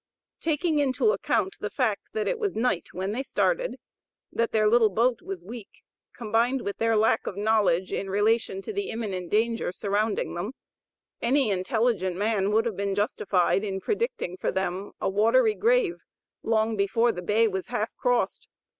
Taking into account the fact that it was night when they started, that their little boat was weak, combined with their lack of knowledge in relation to the imminent danger surrounding them, any intelligent man would have been justified in predicting for them a watery grave, long before the bay was half crossed.